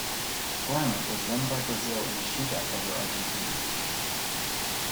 The tournament was won by Brazil in a shootout over Argentina.